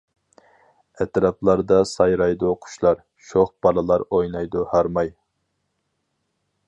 ئەتراپلاردا سايرايدۇ قۇشلار، شوخ بالىلار ئوينايدۇ ھارماي.